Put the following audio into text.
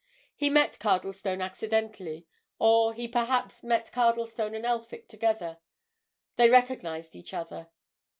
He met Cardlestone accidentally, or he perhaps met Cardlestone and Elphick together—they recognized each other.